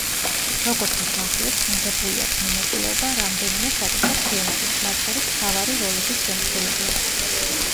როგორც მსახიობს მიღებული აქვს მონაწილეობა რამდენიმე საკუთარ ფილმში, მათ შორის მთავარი როლების შემსრულებლად.